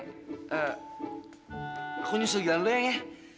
eh aku nyusul gilang dulu eyang ya